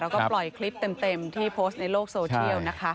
เราก็ปล่อยคลิปเต็มที่โพสต์ในโลกโซเชียล